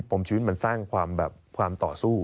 ปมชีวิตมันสร้างความต่อสู้